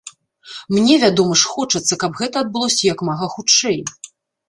Мне, вядома ж, хочацца, каб гэта адбылося як мага хутчэй.